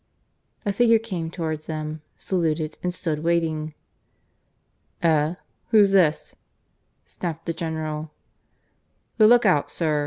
A figure came towards them, saluted, and stood waiting. "Eh? Who's this?" snapped the General. "The look out, sir.